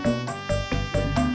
bisa tuh neng